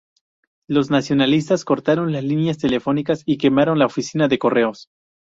Los nacionalistas cortaron las líneas telefónicas y quemaron la oficina de correos.